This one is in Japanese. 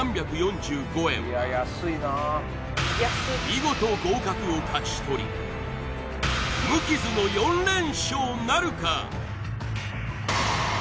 見事合格を勝ち取り無傷の４連勝なるか？